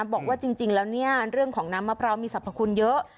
บอกว่าจริงแล้วเนี่ยเรื่องของน้ำมะพร้าวมีสรรพคุณเยอะ